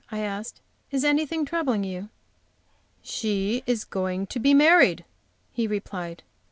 I asked; "is anything troubling you?" "She is going to be married," he replied.